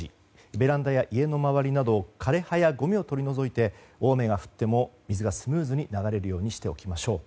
ベランダや家の周りなどの枯れ葉や、ごみを取り除いて大雨が降っても水がスムーズに流れるようにしておきましょう。